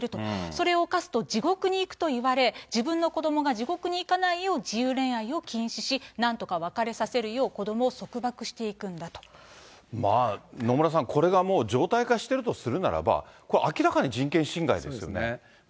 それを冒すと地獄に行くといわれ、自分の子どもが地獄に行かないよう、自由恋愛を禁止し、なんとか別れさせるよう、子どもを束縛し野村さん、これがもう常態化してるとするならば、これ、明らかに人権侵害ですよね。